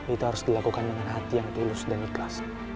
itu harus dilakukan dengan hati yang tulus dan ikhlas